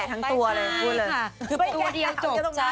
ตัวเดียวจบ